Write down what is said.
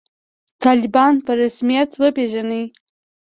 طالبان په رسمیت وپېژنئ